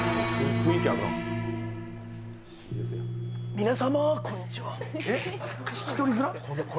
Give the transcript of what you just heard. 皆さん、こんにちは。